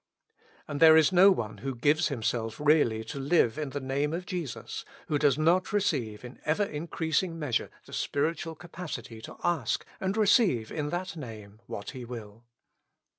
And there is no one who gives himself really to live in the Name of Jesus, who does not receive in ever increasing measure the spiritual capacity to ask and receive in that Name what he will.